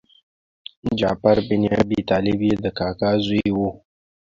جعفر بن ابي طالب یې د کاکا زوی و.